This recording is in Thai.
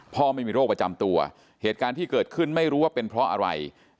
ไม่มีโรคประจำตัวเหตุการณ์ที่เกิดขึ้นไม่รู้ว่าเป็นเพราะอะไร